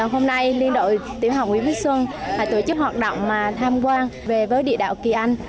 hôm nay liên đội tiếng học quý bích xuân phải tổ chức hoạt động tham quan về với địa đạo kỳ anh